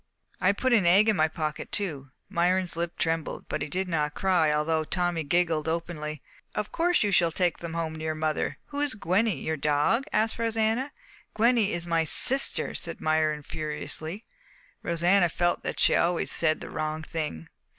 I put a egg in my pocket too." Myron's lip trembled, but he did not cry although Tommy giggled openly. "Of course you shall take them home to your mother! Who is Gwenny your dog?" asked Rosanna. "Gwenny is my sister!" said Myron furiously. Rosanna felt that she always said the wrong thing.